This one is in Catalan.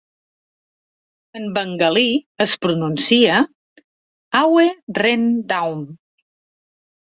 En bengalí, es pronuncia "Awe-Reen-Daum".